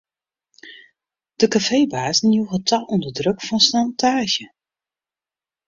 De kafeebazen joegen ta ûnder druk fan sjantaazje.